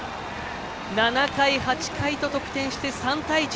７回、８回と得点して３対１。